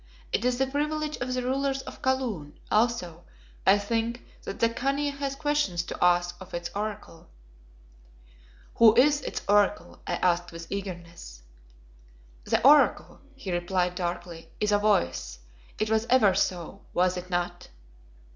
It is the privilege of the rulers of Kaloon; also, I think, that the Khania has questions to ask of its Oracle." "Who is its Oracle?" I asked with eagerness. "The Oracle," he replied darkly, "is a Voice. It was ever so, was it not?"